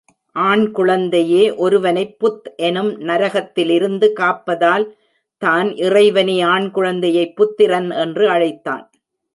ஆண் குழந்தையே ஒருவனைப் புத் எனும் நரகத்திலிருந்து காப்பதால்தான் இறைவனே ஆண்குழந்தையைப் புத்திரன் என்று அழைத்தான்.